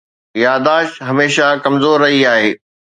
ياداشت هميشه ڪمزور رهي آهي.